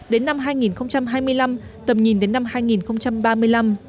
đến năm hai nghìn hai mươi năm tầm nhìn đến năm hai nghìn ba mươi năm